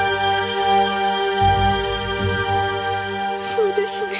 そうですね。